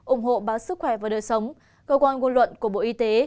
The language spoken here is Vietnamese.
ủng hộ báo sức khỏe và đời sống cơ quan ngôn luận của bộ y tế